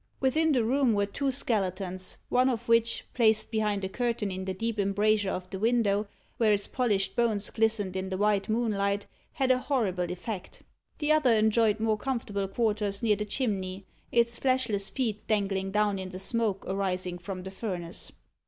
Within the room were two skeletons, one of which, placed behind a curtain in the deep embrasure of the window, where its polished bones glistened in the white moonlight, had a horrible effect. The other enjoyed more comfortable quarters near the chimney, its fleshless feet dangling down in the smoke arising from the furnace.